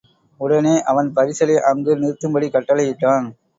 உடனே அவன் பரிசலை அங்கு நிறுத்தும்படி கட்டளையிட்டான்.